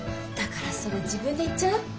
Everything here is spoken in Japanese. だからそれ自分で言っちゃう？